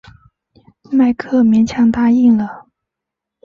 迈克勉强答应了。